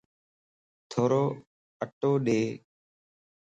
ٿورو اٽو ڏي